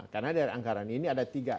karena dari anggaran ini ada tiga